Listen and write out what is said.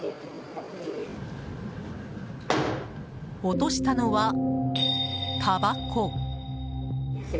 落としたのは、たばこ。